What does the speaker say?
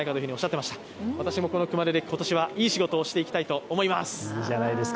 私もこの熊手で今年はいい仕事をしていきたいと思います。